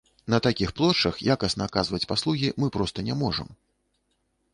На такіх плошчах якасна аказваць паслугі мы проста не можам.